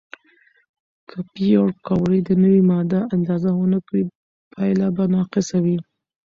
که پېیر کوري د نوې ماده اندازه ونه کړي، پایله به ناقصه وي.